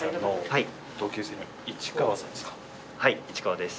はい市川です。